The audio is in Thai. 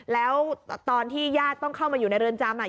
แล้วตอนที่ญาติต้องเข้ามาอยู่ในเรือนจำอ่ะ